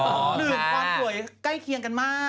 ความสวยใกล้เคียงกันมาก